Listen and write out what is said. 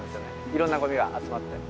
いろんなごみが集まって。